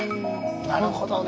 なるほどね。